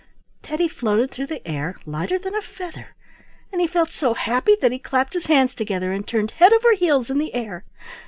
Teddy floated through the air lighter than a feather, and he felt so happy that he clapped his hands together and turned head over heels in the air.